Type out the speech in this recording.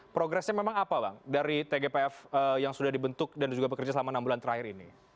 progresnya memang apa bang dari tgpf yang sudah dibentuk dan juga bekerja selama enam bulan terakhir ini